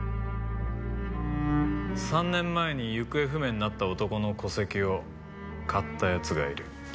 ３年前に行方不明になった男の戸籍を買った奴がいる。